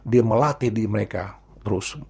dia melatih di mereka terus